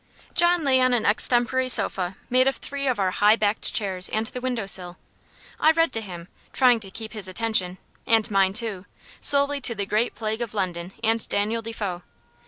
John lay on an extempore sofa, made of three of our high backed chairs and the window sill. I read to him trying to keep his attention, and mine too, solely to the Great Plague of London and Daniel Defoe.